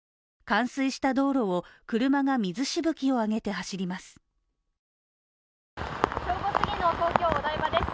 冠水した道路を車が水しぶきを上げて走ります。